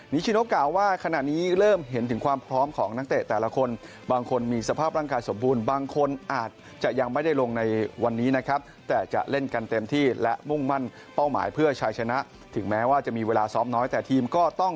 นิชชิโนกล่าวว่าขณะนี้เริ่มเห็นถึงความพร้อมของนักเตะแต่ละคน